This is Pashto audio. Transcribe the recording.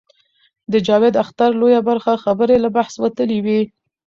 د جاوید اختر لویه برخه خبرې له بحث وتلې وې.